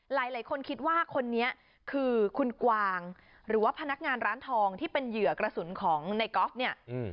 หลายคนคิดว่าคนนี้คือคุณกวางหรือว่าพนักงานร้านทองที่เป็นเหยื่อกระสุนของในกอล์ฟเนี่ย